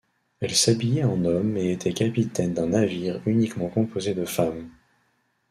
Elle s'habillait en homme et était capitaine d'un navire uniquement composé de femmes.